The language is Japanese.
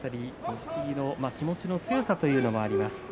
錦木の気持ちの強さもあります。